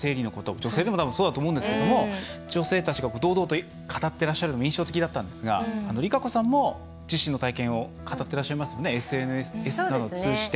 女性でも多分そうだと思うんですけれども女性たちが堂々と語ってらっしゃるのが印象的だったんですがＲＩＫＡＣＯさんも自身の体験を語ってらっしゃいますよねＳＮＳなどを通じて。